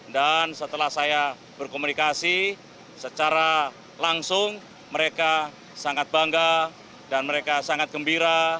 dan setelah saya berkomunikasi secara langsung mereka sangat bangga dan mereka sangat gembira